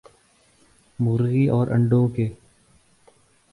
مرغی اور انڈوں ک